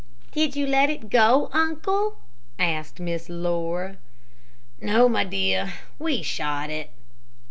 "Did you let it go, uncle?" asked Miss Laura. "No, my dear, we shot it."